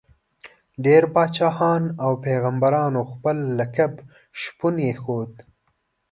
ډېری پاچاهانو او پيغمبرانو خپل لقب شپون ایښود.